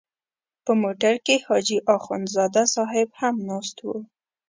په موټر کې حاجي اخندزاده صاحب هم ناست و.